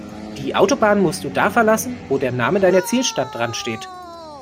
Die Autobahn musst du da verlassen, wo der Name deiner Zielstadt dran steht.